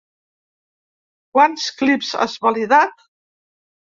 Quants clips has validat?